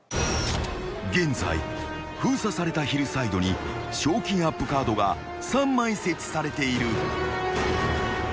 ［現在封鎖されたヒルサイドに賞金アップカードが３枚設置されている］